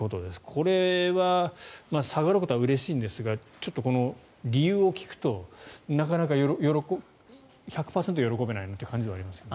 これは下がることはうれしいんですがちょっとこの理由を聞くとなかなか１００％喜べないなという感じではありますが。